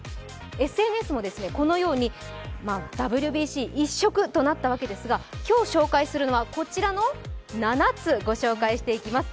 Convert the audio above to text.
ＳＮＳもこのようにＷＢＣ一色となったわけですが今日紹介するのはこちらの７つご紹介していきます。